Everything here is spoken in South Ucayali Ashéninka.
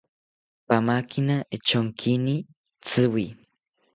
Pamakina echonkini tziwi